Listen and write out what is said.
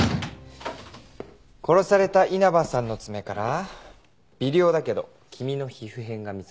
殺された稲葉さんの爪から微量だけど君の皮膚片が見つかったよ。